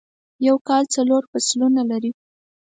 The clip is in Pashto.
یوکال څلور فصلونه لری